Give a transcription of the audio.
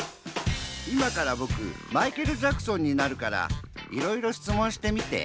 いまからぼくマイケル・ジャクソンになるからいろいろしつもんしてみて。